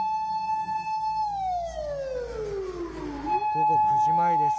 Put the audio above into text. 午後９時前です。